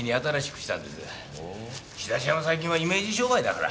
仕出し屋も最近はイメージ商売だから。